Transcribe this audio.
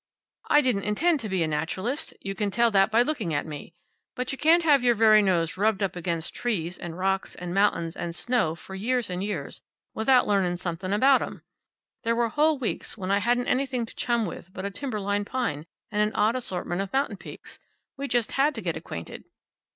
"I didn't intend to be a naturalist. You can tell that by looking at me. But you can't have your very nose rubbed up against trees, and rocks, and mountains, and snow for years and years without learning something about 'em. There were whole weeks when I hadn't anything to chum with but a timber line pine and an odd assortment of mountain peaks. We just had to get acquainted."